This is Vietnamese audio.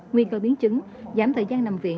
nguy cơ biến chứng giảm thời gian nằm viện